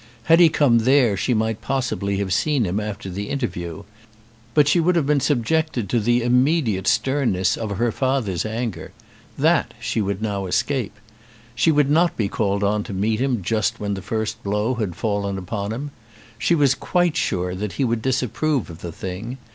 Had he come there she might possibly have seen him after the interview. But she would have been subjected to the immediate sternness of her father's anger. That she would now escape. She would not be called on to meet him just when the first blow had fallen upon him. She was quite sure that he would disapprove of the thing.